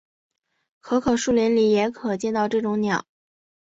可可树林里也可见到这种鸟。